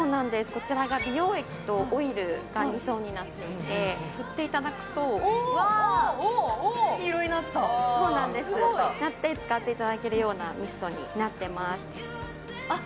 こちらが美容液とオイルが２層になっていて振っていただくとおお黄色になったすごい使っていただけるようなミストになってますあっ